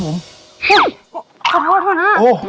โฮขอโทษคุณพนัก